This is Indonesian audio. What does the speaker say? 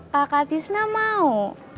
kakak tisna mau